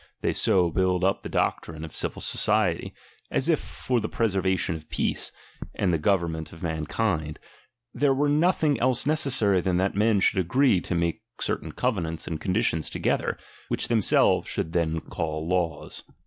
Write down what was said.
" they so build up the doctrine of civil society, as if ^"J^ for the preservation of peace, and the government i>«^gi™in( of mankind, there were nothing else necessary than i, frum that men should agree to make certain covenants and conditions tog;ether, which themselves should then call laws.